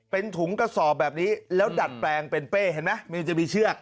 เป็นถุงกระสอบแบบนี้แล้วดัดแปลงเป็นเป้เห็นไหมมันจะมีเชือก